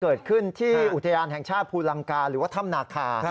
เกิดขึ้นที่อุทยานแห่งชาติภูลังกาหรือว่าถ้ำนาคา